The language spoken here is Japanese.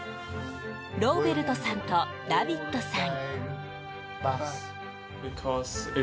ローベルトさんとダビッドさん。